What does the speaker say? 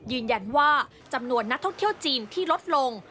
ยืนยันว่าจำนวนนักท่องเที่ยวจีนที่ลดลง